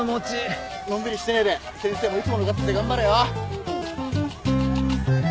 のんびりしてねえで先生もいつものガッツで頑張れよ。